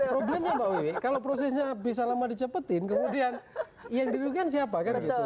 problemnya pak wiwi kalau prosesnya bisa lama di cepetin kemudian yang dirugikan siapa